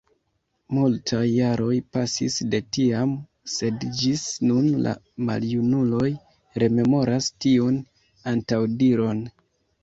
Multaj jaroj pasis de tiam, sed ĝis nun la maljunuloj rememoras tiun antaŭdiron.